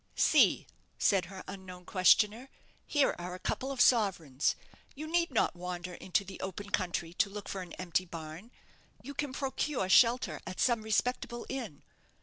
"See," said her unknown questioner, "here are a couple of sovereigns. You need not wander into the open country to look for an empty barn. You can procure shelter at some respectable inn.